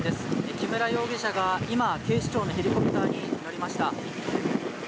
木村容疑者が今警視庁のヘリコプターに乗りました。